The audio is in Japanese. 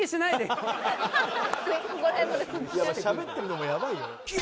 しゃべってるのもやばいよ。